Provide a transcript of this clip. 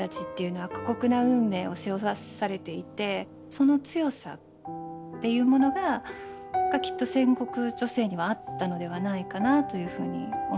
その強さっていうものがきっと戦国女性にはあったのではないかなというふうに思ってます。